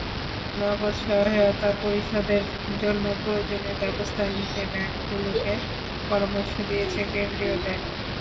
নগদ সহায়তা পরিশোধের জন্য প্রয়োজনীয় ব্যবস্থা নিতে ব্যাংকগুলোকে পরামর্শ দিয়েছে কেন্দ্রীয় ব্যাংক।